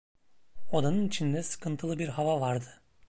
Odanın içinde sıkıntılı bir hava vardı.